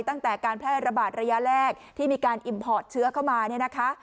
ตั้งแต่การแพร่ระบาดระยะแรกที่มีการอิมพอร์ตเชื้อเข้ามาเนี่ยนะคะ